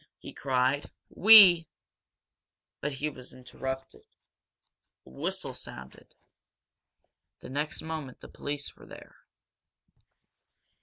he cried. "We " But he was interrupted. A whistle sounded. The next moment the police were there.